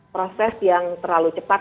proses yang terlalu cepat